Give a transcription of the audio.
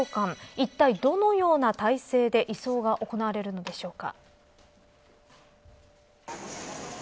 いったい、どのような体制で移送が行われるのでしょうか。